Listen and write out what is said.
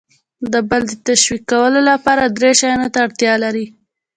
د بل د تشویقولو لپاره درې شیانو ته اړتیا لر ئ :